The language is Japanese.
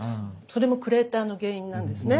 それもクレーターの原因なんですね。